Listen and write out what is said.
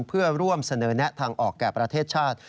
เพื่อร่วมเสนอแนะทางออกแก่ประเทศชาติ